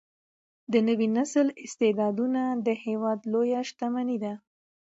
د نوي نسل استعدادونه د هیواد لویه شتمني ده.